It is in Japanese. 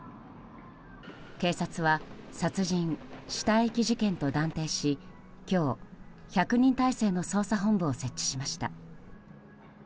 警察は殺人・死体遺棄事件と断定し今日、１００人態勢の捜査本部を設置しました。